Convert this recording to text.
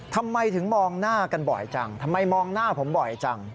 ทำไมถึงมองหน้ากันบ่อยจังทำไมมองหน้าผมบ่อยจัง